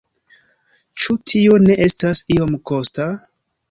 Ĉu tio ne estas iom kosta?